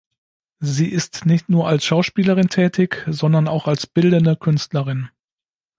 Sie ist nicht nur als Schauspielerin tätig, sondern auch als bildende Künstlerin.